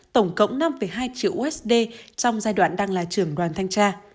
tổng cống năm hai triệu usd trong giai đoạn đang là trường đoàn thanh tra